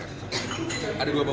ada dua pembentusan